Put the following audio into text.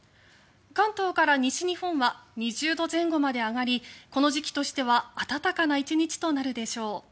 関東から西日本は２０度前後まで上がりこの時期としては暖かな１日となるでしょう。